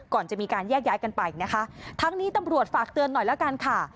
ก่อนจะมีการแยกย้ายกันไปนะคะทั้งนี้ตำรวจฝากเตือนหน่อยแล้วกันค่ะ